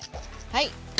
はい。